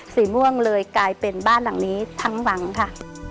สีม่วงเลยกลายเป็นบ้านหลังนี้ทั้งหลังค่ะ